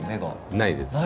ないです。